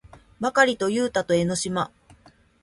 ばかりとゆうたと江の島